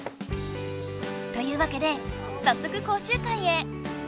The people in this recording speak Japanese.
というわけでさっそく講習会へ！